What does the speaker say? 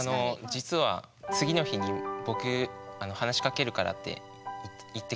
実は「次の日に僕話しかけるから」って言ってきたんですね友達が。